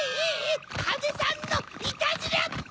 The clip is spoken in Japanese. かぜさんのいたずらポ！